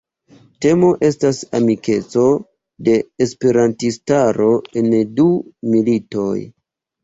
Temo estas amikeco de Esperantistaro en du militoj.